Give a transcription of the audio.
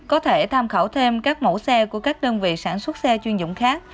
có thể tham khảo thêm các mẫu xe của các đơn vị sản xuất xe chuyên dụng khác